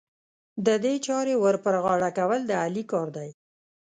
د دې چارې ور پر غاړه کول، د علي کار دی.